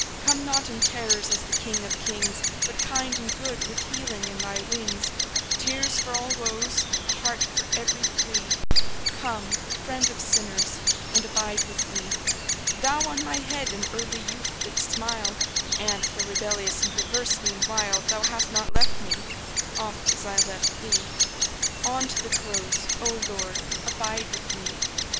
Come not in terrors, as the King of kings; But kind and good, with healing in Thy wings: Tears for all woes, a heart for every plea; Come, Friend of sinners, and abide with me! Thou on my head in early youth didst smile, And, though rebellious and perverse meanwhile Thou hast not left me, oft as I left Thee; On to the close, O Lord, abide with me!